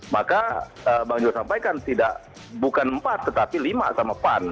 maka bang jos sampaikan tidak bukan empat tetapi lima sama pan